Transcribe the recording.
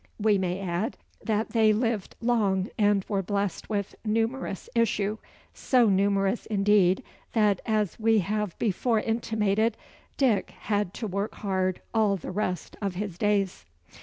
We may add that they lived long, and were blessed with numerous issue so noumerous indeed, that, as we have before intimated, Dick had to work hard all the rest of his days.